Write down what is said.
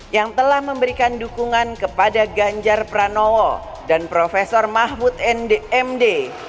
yang telah memberikan dukungan kepada ganjar pranowo dan profesor mahmud ndmd